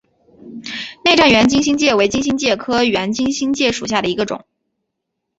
内战圆金星介为金星介科圆金星介属下的一个种。